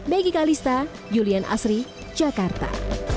megi kalista julian asri jakarta